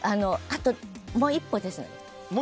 あともう一歩です。